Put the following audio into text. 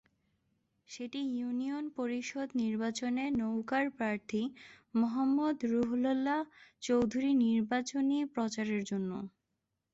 সেটি ইউনিয়ন পরিষদ নির্বাচনে নৌকার প্রার্থী মো. রুহুল্লাহ চৌধুরীর নির্বাচনী প্রচারের জন্য।